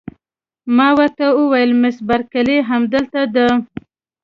ما ورته وویل: مس بارکلي همدلته ده؟